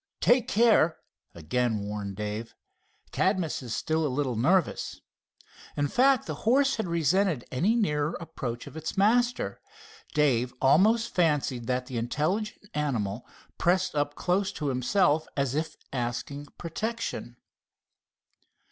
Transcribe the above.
"Take care," again warned Dave. "Cadmus is still a little nervous." In fact the horse had resented any nearer approach of its master. Dave almost fancied that the intelligent animal pressed up close to himself, as if asking protection.